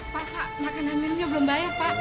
pak pak makanan minumnya belum bayar pak